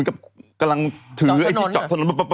เตาะถนนก๋อถนน